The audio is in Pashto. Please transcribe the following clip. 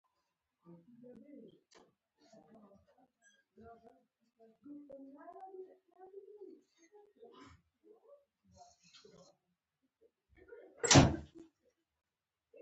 مسېنجر د پیغامونو د چټک لیږد لپاره ډېره ګټوره وسیله ده.